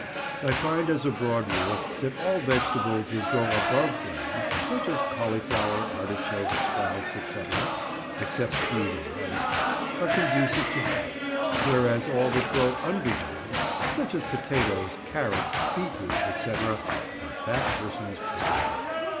_ I find as a broad rule that all vegetables that grow above ground, such as cauliflower, artichokes, sprouts, &c. (except peas and rice), are conducive to health; whereas all that grow underground, such as potatoes, carrots, beet root, &c., are fat persons' poison.